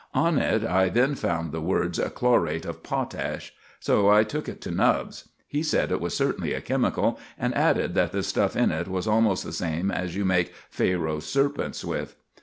On it I then found the words "Chlorate of potash." So I took it to Nubbs. He said it was certainly a chemical, and added that the stuff in it was almost the same as you make "Pharaoh's serpents" with.